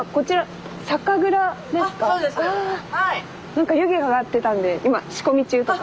何か湯気が上がってたんで今仕込み中とか？